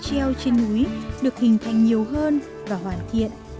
khi những hồ nước treo trên núi được hình thành nhiều hơn và hoàn thiện